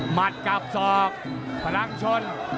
มัดกับศอกพลังชน